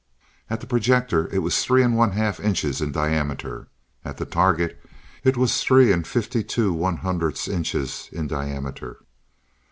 At the projector it was three and one half inches in diameter. At the target, it was three and fifty two one hundredths inches in diameter.